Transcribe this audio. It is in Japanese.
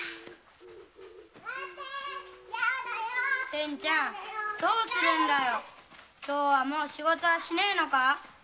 仙ちゃんどうするんだよ今日はもう仕事はしないのか？